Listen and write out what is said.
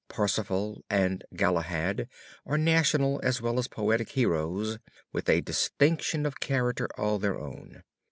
Parsifal and Galahad are national as well as poetic heroes with a distinction of character all their own.